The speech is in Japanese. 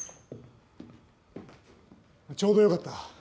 ・ちょうどよかった。